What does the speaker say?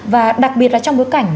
và đặc biệt là trong bối cảnh